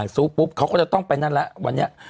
ซื้อปุ๊บเขาก็จะต้องไปนั่นแหละวันนี้